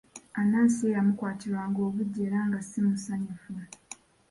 Anansi ye yamukwatirwanga obuggya era nga si musanyufu.